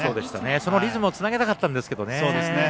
そのリズムをつなげたかったんですけどね。